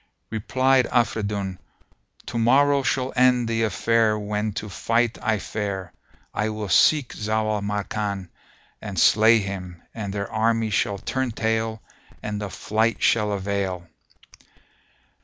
Replied Afridun, "To morrow shall end the affair when to fight I fare: I will seek Zau al Makan and slay him, and their army shall turn tail and of flight shall avail."